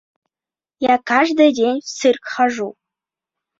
— Я каждый день в цирк хожу!